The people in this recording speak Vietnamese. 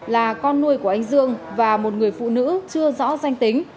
là con nuôi của anh dương và một người phụ nữ chưa rõ danh tính